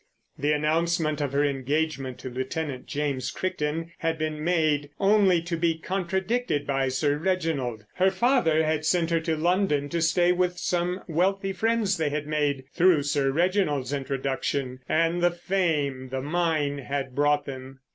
The announcement of her engagement to Lieutenant James Crichton had been made, only to be contradicted by Sir Reginald. Her father had sent her to London to stay with some wealthy friends they had made—through Sir Reginald's introduction and the fame the mine had brought them.